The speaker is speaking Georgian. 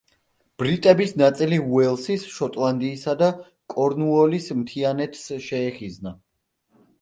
ბრიტების ნაწილი უელსის, შოტლანდიისა და კორნუოლის მთიანეთს შეეხიზნა.